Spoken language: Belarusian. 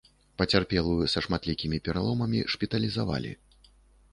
Пацярпелую са шматлікімі пераломамі шпіталізавалі.